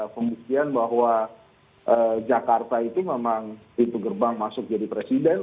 yang kemudian bahwa jakarta itu memang itu gerbang masuk jadi presiden